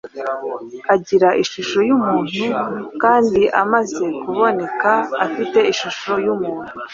agira ishusho y’umuntu: kandi amaze kuboneka afite ishusho y’umuntu